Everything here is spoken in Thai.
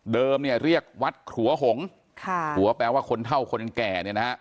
เดิมเรียกวัดหัวหงค์หัวแปลว่าคนเท่าคนแก่